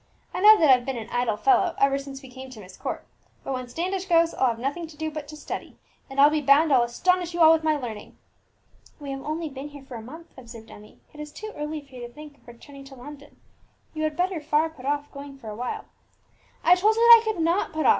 I know that I've been an idle fellow ever since we came to Myst Court; but when Standish goes I'll have nothing to do but to study, and I'll be bound I'll astonish you all with my learning." "We have only been here for a month," observed Emmie; "it is too early for you to think of returning to London. You had better far put off going for a while." "I told you that I could not put off!"